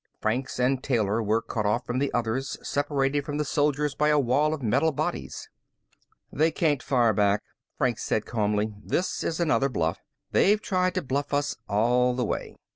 Franks and Taylor were cut off from the others, separated from the soldiers by a wall of metal bodies. "They can't fire back," Franks said calmly. "This is another bluff. They've tried to bluff us all the way."